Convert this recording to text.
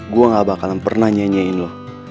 gue gak bakalan pernah nyanyiin loh